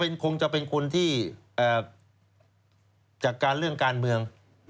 คงจะเป็นคนที่จัดการเรื่องการเมือง